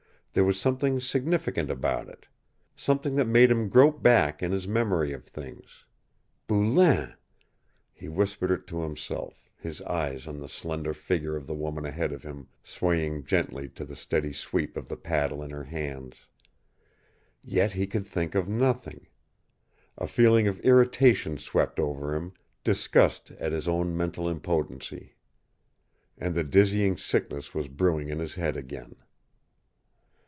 There was something significant about it. Something that made him grope back in his memory of things. Boulain! He whispered it to himself, his eyes on the slender figure of the woman ahead of him, swaying gently to the steady sweep of the paddle in her hands. Yet he could think of nothing. A feeling of irritation swept over him, disgust at his own mental impotency. And the dizzying sickness was brewing in his head again.